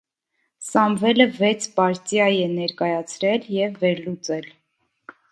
Սամվելը վեց պարտիա է ներկայացրել և վերլուծել։